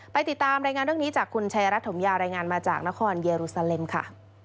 ติดตามรายงานเรื่องนี้จากคุณชายรัฐถมยารายงานมาจากนครเยรูซาเลมค่ะ